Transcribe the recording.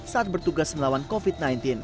saat bertugas melawan covid sembilan belas